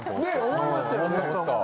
思いましたよね？